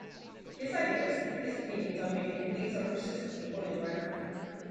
His ideas, his opinions on men and things are persistently quoted by her.